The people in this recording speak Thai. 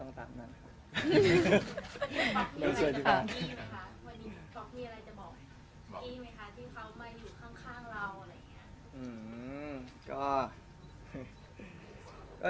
ที่เขามาอยู่ข้างเรา